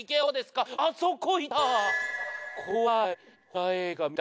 あそこいた。